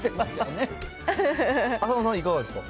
浅野さんはいかがですか。